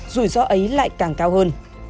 rủi ro ấy lại càng cao hơn